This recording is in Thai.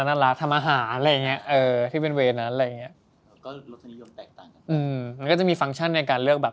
ก็รถทานิยอมแตกต่างจาก